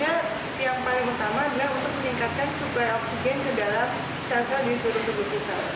fungsinya yang paling utama adalah untuk meningkatkan supaya oksigen ke dalam sel sel di sel sel tubuh kita